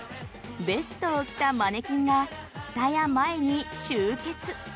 ベストを着たマネキンがＴＳＵＴＡＹＡ前に集結。